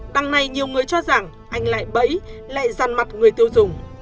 đằng này nhiều người cho rằng anh lại bẫy lại ràn mặt người tiêu dùng